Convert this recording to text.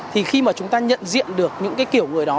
thì khi mà chúng ta nhận diện được những cái kiểu người đó